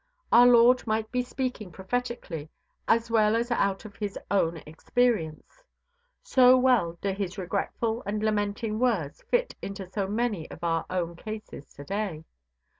Our Lord might be speaking prophetically, as well as out of His own experience, so well do His regretful and lamenting words fit into so many of our own cases to day.